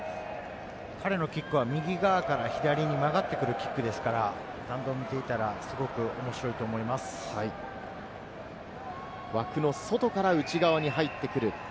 彼のキックは右側から左に曲がってくるキックですから、弾道を見たらすごく面白いと思い枠の外から内側に入ってくる。